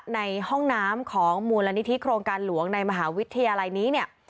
ในห้องน้ำของมูลนิธิโครงการหลวงในมหาวิทยาลัยนี้เนี่ย